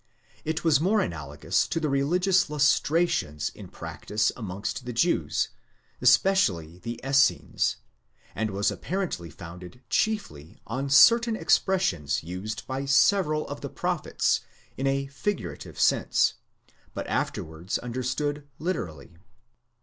It was more analagous to the religious lustrations in practice amongst the Jews, especially the Essenes, and was apparently founded chiefly on certain expressions used by several of the prophets in a figurative sense, but afterwards understood literally.